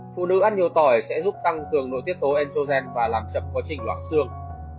phụ nữ ăn nhiều tỏi sẽ giúp tăng cường nội tiết tố estrogen và làm chậm quá trình loạt xương